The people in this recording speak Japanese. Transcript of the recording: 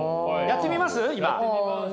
やってみます。